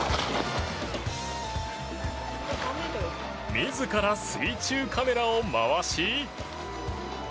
自ら水中カメラを回し。